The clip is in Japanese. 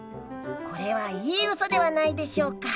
これはいいウソではないでしょうか！